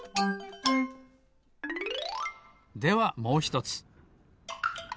ではもうひとつ。